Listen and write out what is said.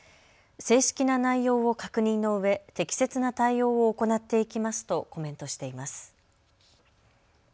正式な内容を確認のうえ適切な対応を行っていきますとコメントしています。